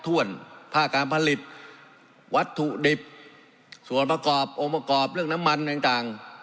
วัตถุดิบส่วนประกอบองค์ประกอบเรื่องน้ำมันต่างต่าง